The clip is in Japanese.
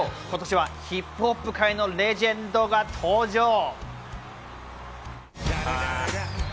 今年はヒップホップ界のレジェンドが登場。